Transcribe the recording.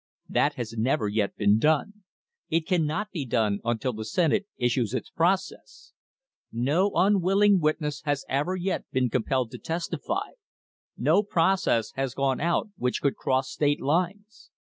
That has never yet been done. It cannot be done until the Senate issues its process. No unwilling witness has ever yet been compelled to testify; no process has gone out which could cross state lines.